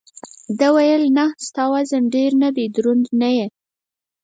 ده وویل: نه، ستا وزن ډېر نه دی، دروند نه یې.